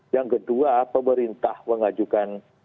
yang kedua pemerintah mengajukan